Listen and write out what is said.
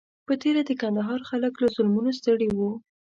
په تېره د کندهار خلک له ظلمونو ستړي وو.